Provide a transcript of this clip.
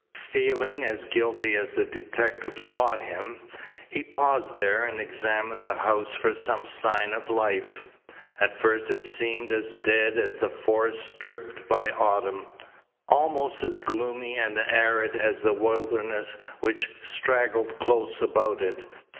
Feeling as guilty as the detective thought him, he paused there and examined the house for some sign of life. At first it seemed as dead as the forest stripped by autumn almost as gloomy and arid as the wilderness which straggled close about it.